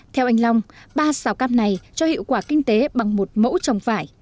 theo anh long ba xào cam này cho hiệu quả kinh tế bằng một mẫu trồng vải